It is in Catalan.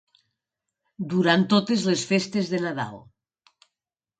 Durant totes les festes de Nadal.